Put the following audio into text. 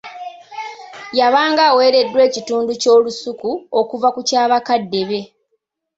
Yabanga aweereddwa ekitundu ky'olusuku okuva ku kyabakaddebe.